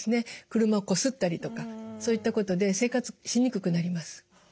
車をこすったりとかそういったことで生活しにくくなります。